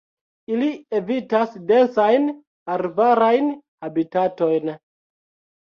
Ili evitas densajn arbarajn habitatojn.